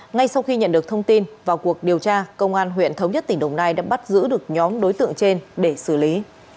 ngay sau khi nhận được thông tin vào cuộc điều tra công an huyện thống nhất tỉnh đồng nai đã bắt giữ được nhóm đối tượng trên để xử lý